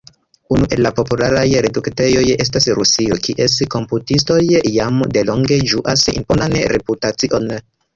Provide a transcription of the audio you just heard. Unu el la popularaj rekrutejoj estas Rusio, kies komputistoj jam delonge ĝuas imponan reputacion.